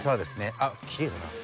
あっきれいだな。